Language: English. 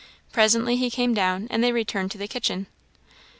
Presently he came down, and they returned to the kitchen.